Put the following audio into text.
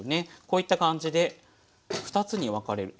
こういった感じで２つに分かれる。